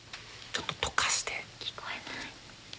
ちょっと溶かして。